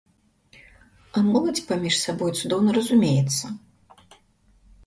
А моладзь паміж сабой цудоўна разумеецца.